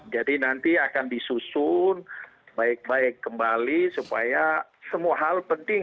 jadi nanti akan disusun baik baik kembali supaya semua hal penting